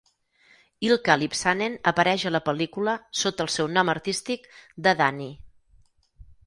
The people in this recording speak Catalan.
Ilkka Lipsanen apareix a la pel·lícula sota el seu nom artístic de "Danny".